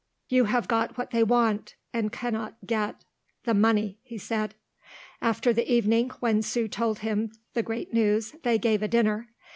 "You have got what they want and cannot get the money," he said. After the evening when Sue told him the great news they gave a dinner.